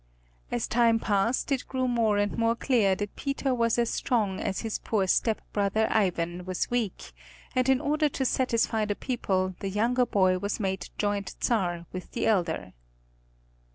As time passed it grew more and more clear that Peter was as strong as his poor stepbrother Ivan was weak, and in order to satisfy the people the younger boy was made joint Czar with the elder.